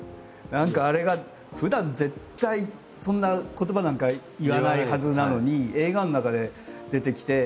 何かあれがふだん絶対そんな言葉なんか言わないはずなのに映画の中で出てきて。